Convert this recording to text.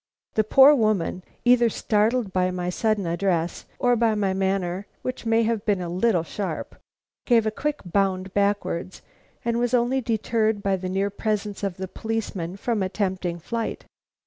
The poor woman, either startled by my sudden address or by my manner which may have been a little sharp, gave a quick bound backward, and was only deterred by the near presence of the policeman from attempting flight.